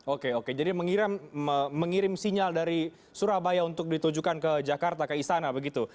oke oke jadi mengirim sinyal dari surabaya untuk ditujukan ke jakarta ke istana begitu